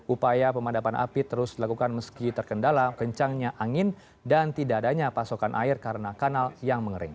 upaya pemadapan api terus dilakukan meski terkendala kencangnya angin dan tidak adanya pasokan air karena kanal yang mengering